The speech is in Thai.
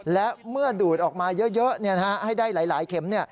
และเมื่อดูดออกมาเยอะให้ได้หลายเข็ม